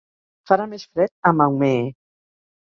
farà més fred a Maumee